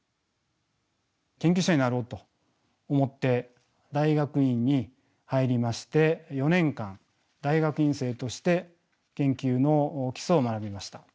研究者になろうと思って大学院に入りまして４年間大学院生として研究の基礎を学びました。